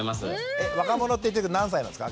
えっ若者って言ってるけど何歳なんですか？